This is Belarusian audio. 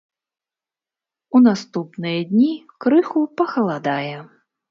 У наступныя дні крыху пахаладае.